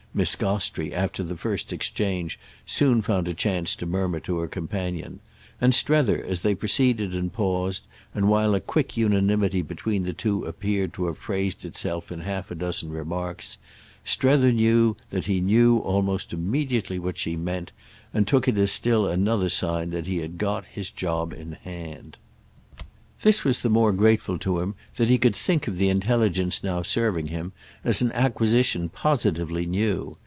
_" Miss Gostrey, after the first exchange, soon found a chance to murmur to her companion; and Strether, as they proceeded and paused and while a quick unanimity between the two appeared to have phrased itself in half a dozen remarks—Strether knew that he knew almost immediately what she meant, and took it as still another sign that he had got his job in hand. This was the more grateful to him that he could think of the intelligence now serving him as an acquisition positively new.